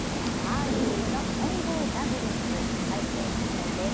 カーリングの混合ダブルス世界選手権です。